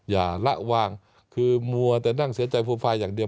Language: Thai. อย่าละวางคือมัวแต่นั่งเสียใจโปรไฟล์อย่างเดียว